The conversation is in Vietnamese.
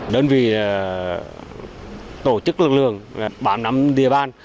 đơn vị tổ chức lực lượng bám nắm địa bàn